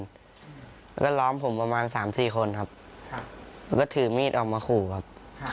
ก็ล้อมผมประมาณ๓๔คนครับค่ะแล้วก็ถือมีดออกมาขู่ครับ